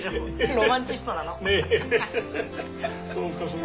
ロマンチストなの。